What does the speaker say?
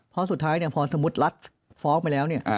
เพราะสุดท้ายเนี่ยพอสมมุติรัฐฟ้องไปแล้วเนี่ย